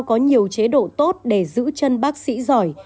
có nhiều chế độ tốt để giữ chân bác sĩ giỏi